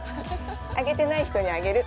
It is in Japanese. あげてない人にあげる。